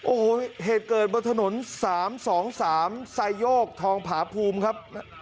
โอ้โหเหตุเกิดบนถนน๓๒๓ไซโยกทองผาภูมิครับ